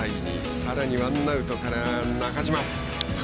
さらにワンアウトから中島。